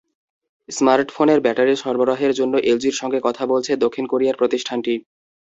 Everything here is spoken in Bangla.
স্মার্টফোনের ব্যাটারি সরবরাহের জন্য এলজির সঙ্গে কথা বলছে দক্ষিণ কোরিয়ার প্রতিষ্ঠানটি।